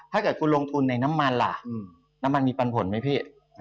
ถ้าเกิดคุณลงทุนในน้ำมันล่ะน้ำมันมีปันผลไหมพี่